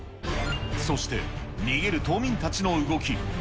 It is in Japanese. そして、逃げる島民たちの動き。